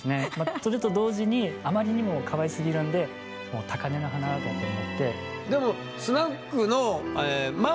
それと同時にあまりにもかわいすぎるんでもう高根の花だと思って。